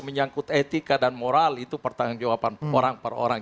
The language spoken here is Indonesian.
menyangkut etika dan moral itu pertanggung jawaban orang per orang